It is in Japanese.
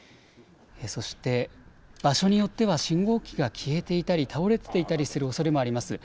そして、場所によっては信号機が消えていたり倒れていたりするおそれもあります。